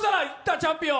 チャンピオン？